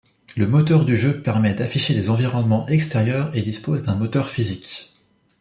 Le moteur du jeu permet d’afficher des environnements extérieurs et dispose d’un moteur physique.